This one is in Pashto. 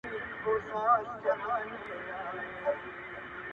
خټي کوم _